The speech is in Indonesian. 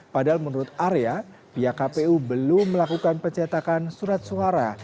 padahal menurut arya pihak kpu belum melakukan pencetakan surat suara